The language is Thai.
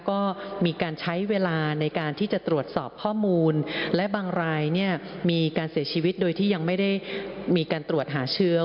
ก็มีการใช้เวลาในการที่จะตรวจสอบข้อมูลและบางรายเนี่ยมีการเสียชีวิตโดยที่ยังไม่ได้มีการตรวจหาเชื้อ